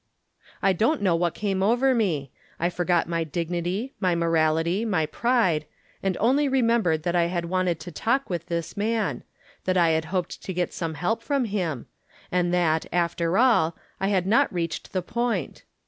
I don't know what came over me. I forgot my dignity, my morahty, my pride, and only re membered that I had wanted to talk with this man — that I had hoped to get some help from him — and that, after all, I had not reached the point.